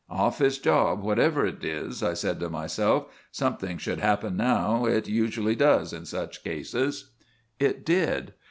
"Off his job, whatever it is," I said to myself. "Something should happen now. It usually does in such cases." It did.